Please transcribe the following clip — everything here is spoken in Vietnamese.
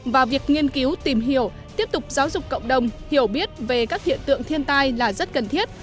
và việc nghiên cứu tìm hiểu tiếp tục giáo dục cộng đồng hiểu biết về các hiện tượng thiên tai là rất cần thiết